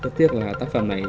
và rất tiếc là tác phẩm này